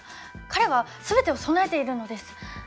彼は全てを備えているのです。